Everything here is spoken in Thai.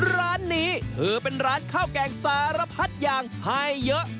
ร้านนี้เธอเป็นร้านข้าวแกงสารพัดอย่างให้เยอะ